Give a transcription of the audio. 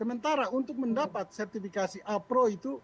sementara untuk mendapat sertifikasi apro itu